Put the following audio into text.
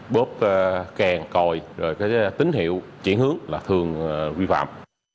bốp kèn còi rồi cái tín hiệu chuyển hướng là thường vi phạm